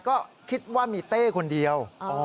ก็คิดว่ามีเต้คนเดียว